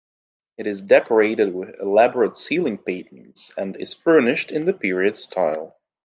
It is decorated with elaborate ceiling paintings and is furnished in the period style.